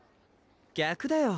逆だよ